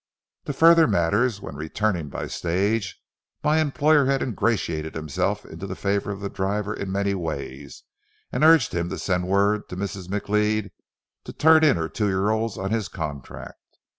To further matters, when returning by stage my employer had ingratiated himself into the favor of the driver in many ways, and urged him to send word to Mrs. McLeod to turn in her two year olds on his contract.